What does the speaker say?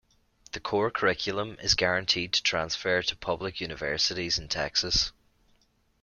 The Core Curriculum is guaranteed to transfer to public universities in Texas.